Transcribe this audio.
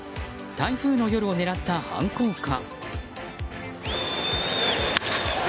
台風の夜を狙った犯行か。